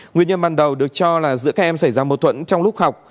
nguyên nhân ban đầu được cho là giữa các em xảy ra mâu thuẫn trong lúc học